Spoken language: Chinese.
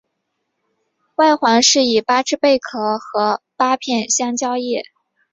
外环饰以八只贝壳和八片香蕉叶。